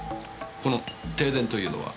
この停電というのは？